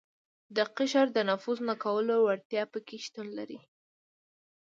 د قشر د نفوذ نه کولو وړتیا په کې شتون لري.